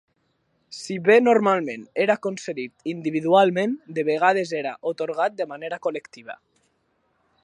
Si bé normalment era concedit individualment, de vegades era atorgat de manera col·lectiva.